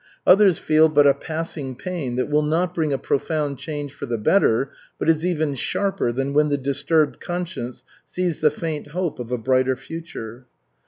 Others feel but a passing pain that will not bring a profound change for the better, but is even sharper than when the disturbed conscience sees the faint hope of a brighter future.